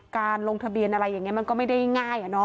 การลงทะเบียนอะไรอย่างนี้มันก็ไม่ได้ง่าย